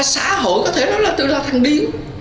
xã hội có thể nói là tôi là thằng điên